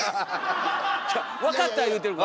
分かった言うてるから。